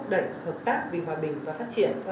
bình hòa bình và phát triển